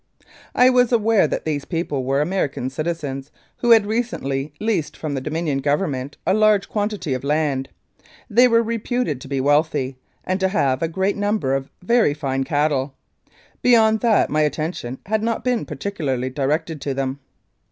I was aware that these people were American citizens, who had recently leased from the Dominion Government a large quantity of land. They were reputed to be wealthy, and to have a great number of very fine cattle. Beyond that my attention had not been particularly directed to them.